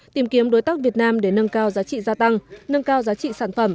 tìm kiếm đối tác việt nam để nâng cao giá trị gia tăng nâng cao giá trị sản phẩm